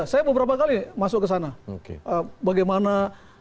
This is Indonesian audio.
saya beberapa kali masuk kesana